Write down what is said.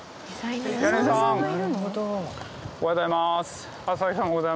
おはようございます。